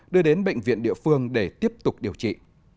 đưa đến bệnh viện địa phương để tiếp tục điều trị